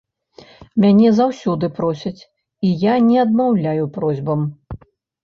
Мяне заўсёды просяць, і я не адмаўляю просьбам.